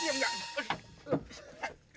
ya ya gak